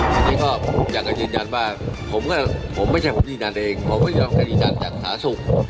ตอนนี้ก็อยากจะยืนยันว่าผมไม่ใช่คุณนี่นัดเองผมคุณนี่นัดจากสาธารณีสุข